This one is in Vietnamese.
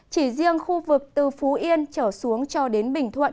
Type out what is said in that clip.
chỉ riêng khu vực từ phú yên trở xuống cho đến bình thuận